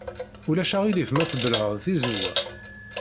Ulac aɣilif ma tbellɛeḍ tizewwa?